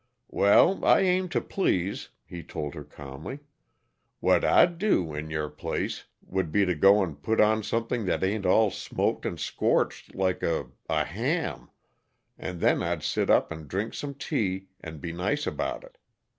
"Well, I aim to please," he told her calmly. "What I'd do, in your place, would be to go and put on something that ain't all smoked and scorched like a a ham, and then I'd sit up and drink some tea, and be nice about it.